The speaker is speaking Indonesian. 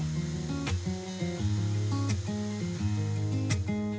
semoga ia memibqangkan